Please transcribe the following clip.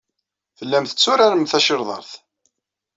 Tellam tetturarem tacirḍart.